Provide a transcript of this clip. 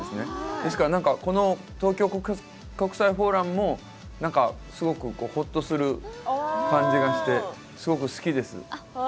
ですから東京国際フォーラムもすごくほっとする感じがしてすごく好きです。